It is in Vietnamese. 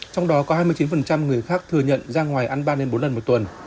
trong đó có hai mươi chín người khác thừa nhận ra ngoài ăn ba bốn lần một tuần